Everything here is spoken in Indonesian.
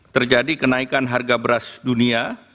terjadi kenaikan harga beras dunia